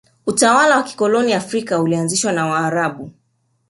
utawala wa kikoloni afrika ulianzishwa na waarabu